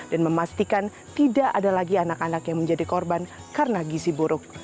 dan memastikan tidak ada lagi anak anak yang menjadi korban karena gizi buruk